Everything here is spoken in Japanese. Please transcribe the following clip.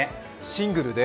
シングルで？